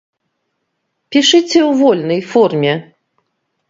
Пішыце ў вольнай форме.